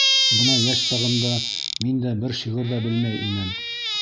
Бына йәш сағымда мин дә бер шиғыр ҙа белмәй инем.